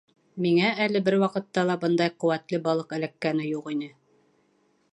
Миңә әле бер ваҡытта ла бындай ҡеүәтле балыҡ эләккәне юҡ ине.